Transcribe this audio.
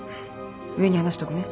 上に話しとくね。